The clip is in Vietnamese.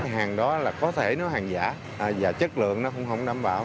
hàng đó là có thể nó hàng giả và chất lượng nó cũng không đảm bảo